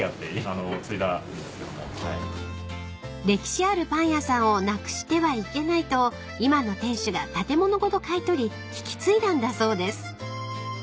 ［歴史あるパン屋さんをなくしてはいけないと今の店主が建物ごと買い取り引き継いだんだそうです］